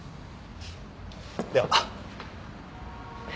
では。